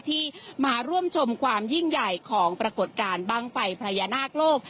ที่มาร่วมชมความยิ่งใหญ่ของปรากฏการณ์บ้างไฟพญานาคโลก